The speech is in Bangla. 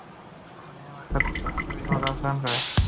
উনি আমার সাথে কুষ্ঠরোগীর মতো আচরণ করে।